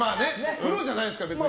プロじゃないですからね。